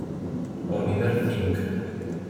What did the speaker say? Oliver Fink